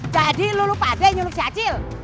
jadi lu lupa deh nyuluk si acil